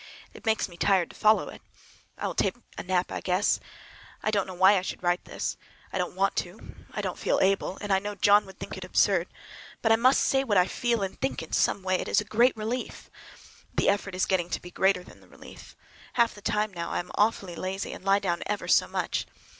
It makes me tired to follow it. I will take a nap, I guess. I don't know why I should write this. I don't want to. I don't feel able. And I know John would think it absurd. But I must say what I feel and think in some way—it is such a relief! But the effort is getting to be greater than the relief. Half the time now I am awfully lazy, and lie down ever so much.